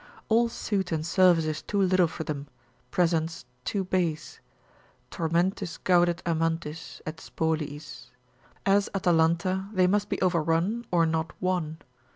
All suit and service is too little for them, presents too base: Tormentis gaudet amantis—et spoliis. As Atalanta they must be overrun, or not won.